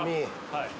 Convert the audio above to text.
はい。